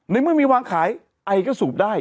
ในเมื่อมีวางขายไอก็สูบได้